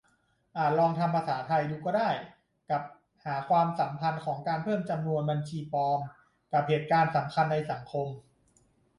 อาจลองทำภาษาไทยดูก็ได้ กับหาความสัมพันธ์ของการเพิ่มจำนวนบัญชีปลอมกับเหตุการณ์สำคัญในสังคม ?